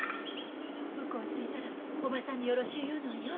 向こう着いたらおばさんによろしゅう言うのんよ。